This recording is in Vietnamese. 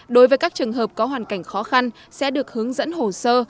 đối với các trường hợp có hoàn cảnh khó khăn sẽ được hướng dẫn hồ sơ